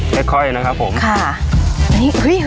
แค่ค่อยนะครับผม